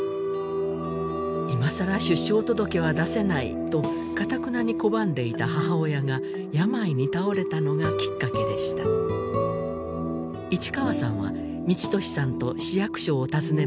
いまさら出生届は出せないとかたくなに拒んでいた母親が病に倒れたのがきっかけでした市川さんは道登志さんと市役所を訪ねますが